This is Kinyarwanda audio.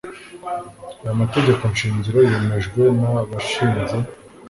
aya mategeko nshingiro yemejwe n abashinze